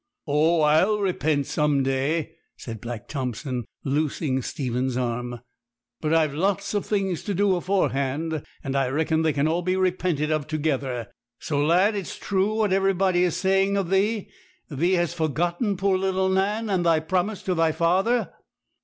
'Oh, I'll repent some day,' said Black Thompson, loosing Stephen's arm; 'but I've lots of things to do aforehand, and I reckon they can all be repented of together. So, lad, it's true what everybody is saying of thee thee has forgotten poor little Nan, and thy promise to thy father!'